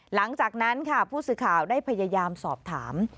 หลังจากนั้นค่ะผู้สื่อข่าวได้พยายามสอบถาม